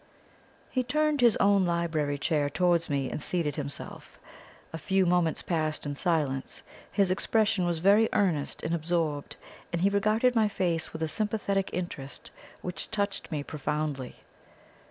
He turned his own library chair towards me, and seated himself. A few moments passed in silence; his expression was very earnest and absorbed, and he regarded my face with a sympathetic interest which touched me profoundly.